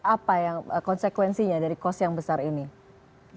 apa yang konsekuensinya dari kos yang besar ini